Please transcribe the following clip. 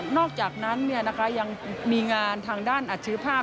อกจากนั้นยังมีงานทางด้านอัจฉริยภาพ